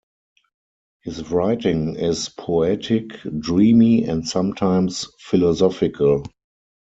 His writing is poetic, dreamy and sometimes philosophical.